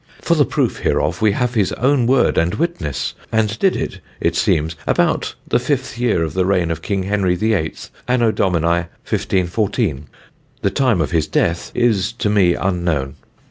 For the proof hereof, we have his own word and witness; and did it, it seems, about the Fifth year of the reign of King Henry the Eighth, Anno Dom. 1514. The time of his death is to me unknown."